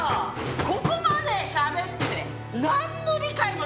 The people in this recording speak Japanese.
ここまでしゃべってなんの理解もできない！